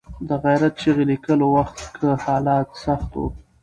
د غیرت چغې لیکلو وخت کې حالات سخت وو.